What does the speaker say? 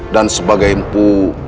dan sebagai mpu